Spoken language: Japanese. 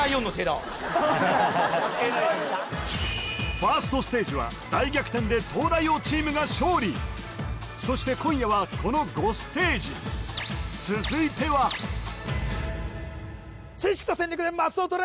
ファーストステージは大逆転で東大王チームが勝利そして今夜はこの５ステージ続いては知識と戦略でマスを取れ！